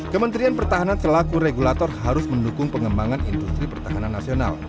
kementerian pertahanan selaku regulator harus mendukung pengembangan industri pertahanan nasional